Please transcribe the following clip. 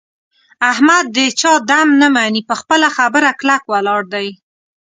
احمد د چا دم نه مني. په خپله خبره کلک ولاړ دی.